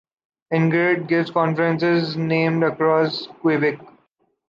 Ingrid gives conferences named across Quebec.